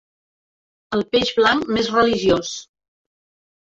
El peix blanc més religiós.